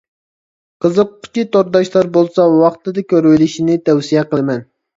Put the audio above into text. قىزىققۇچى تورداشلار بولسا، ۋاقتىدا كۆرۈۋېلىشىنى تەۋسىيە قىلىمەن.